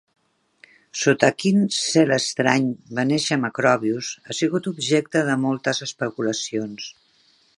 Sota quin "cel estrany" va néixer Macrobius ha sigut objecte de moltes especulacions.